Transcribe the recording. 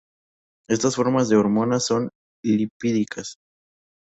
Estas formas de hormonas son lipídicas.